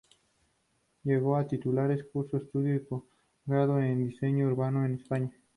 Luego de titularse, cursó estudios de postgrado en Diseño Urbano en España.